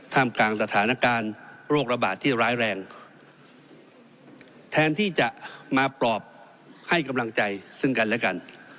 กลางสถานการณ์โรคระบาดที่ร้ายแรงแทนที่จะมาปลอบให้กำลังใจซึ่งกันและกัน